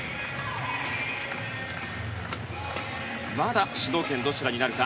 まだ主導権がどちらになるか。